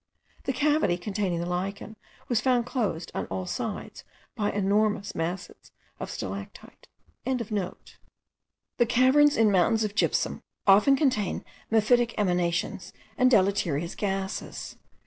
The cavity containing the lichen was found closed on all sides by enormous masses of stalactite.) The caverns in mountains of gypsum often contain mephitic emanations and deleterious gases.